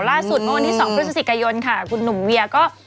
ล่าสุดโอนที่๒พฤศจิกายนค่ะคุณหนุ่มเวียร์ก็